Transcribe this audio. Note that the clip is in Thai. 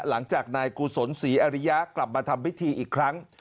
หลังจากนายกุศลศรีอริยะกลับมาทำพิธีอีกครั้ง